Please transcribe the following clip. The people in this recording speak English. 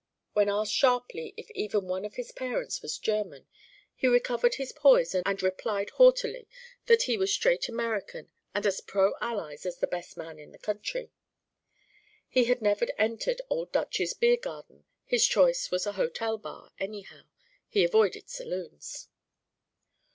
When asked sharply if even one of his parents was German, he recovered his poise and replied haughtily that he was straight American and as pro Allies as the best man in the country. He had never entered Old Dutch's beer garden; his choice was a hotel bar, anyhow; he avoided saloons.